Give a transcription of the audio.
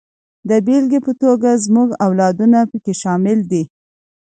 د بېلګې په توګه زموږ اولادونه پکې شامل دي.